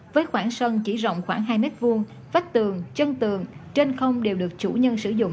với khoảng sân chỉ rộng khoảng hai m hai vách tường chân tường trên không đều được chủ nhân sử dụng